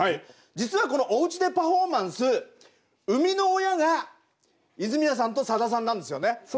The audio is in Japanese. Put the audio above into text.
実はこの「おうちでパフォーマンス」生みの親が泉谷さんとさださんなんですよね。